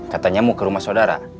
katanya mau ke rumah saudara